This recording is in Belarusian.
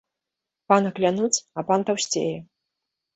Пана клянуць, а пан таўсцее